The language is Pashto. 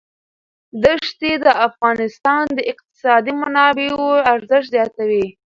دښتې د افغانستان د اقتصادي منابعو ارزښت زیاتوي.